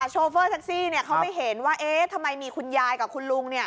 โชเฟอร์แท็กซี่เขาไม่เห็นว่าเอ๊ะทำไมมีคุณยายกับคุณลุง